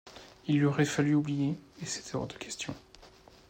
Il lui aurait fallu oublier, et c’était hors de question.